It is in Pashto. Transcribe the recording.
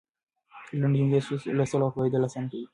لنډې جملې لوستل او پوهېدل اسانه کوي.